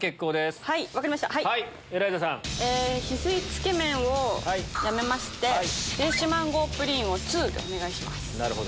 翡翠つけ麺をやめましてフレッシュマンゴープリンを２でお願いします。